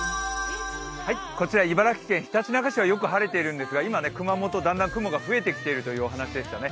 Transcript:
こちら、茨城県ひたちなか市はよく晴れているんですが今、熊本、だんだん雲が増えてきているというお話しでしたね。